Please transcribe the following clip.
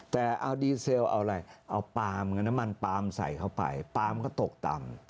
แต่เอาดีเซลเอาอะไรเอาปาล์มกับน้ำมันปาล์มใส่เข้าไปปาล์มก็ตกต่ำ